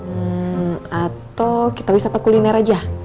hmm atau kita wisata kuliner aja